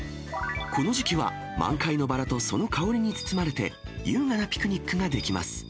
この時期は満開のバラとその香りに包まれて、優雅なピクニックができます。